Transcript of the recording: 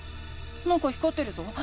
なんか光ってるぞ。